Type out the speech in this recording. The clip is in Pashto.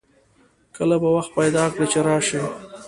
کله به وخت پیدا کړي چې راشئ